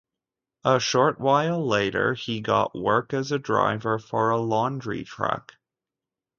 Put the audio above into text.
A short while later, he got work as a driver for a laundry truck.